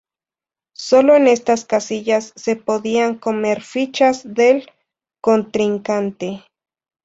Sólo en estas casillas se podían comer fichas del contrincante.